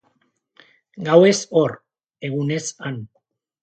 Gauez hor, egunez han.